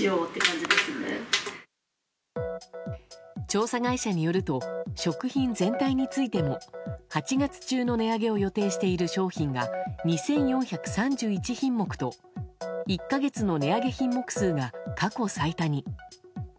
調査会社によると食品全体についても８月中の値上げを予定している商品が２４３１品目と１か月の値上げ品目数が過去最多に。